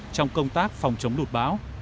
trong công tác phòng chống lụt báo